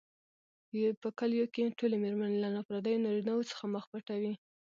په کلیو کې ټولې مېرمنې له نا پردیو نارینوو څخه مخ پټوي.